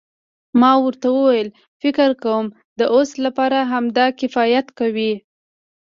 ما ورته وویل فکر کوم د اوس لپاره همدا کفایت کوي.